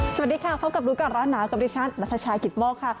สวัสดีค่ะพบกับรู้ก่อนร้อนหนาวกับดิฉันนัทชายกิตโมกค่ะ